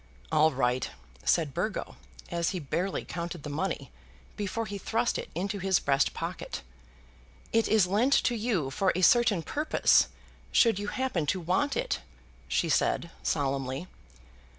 "All right," said Burgo, as he barely counted the money before he thrust it into his breast pocket. "It is lent to you for a certain purpose, should you happen to want it," she said, solemnly.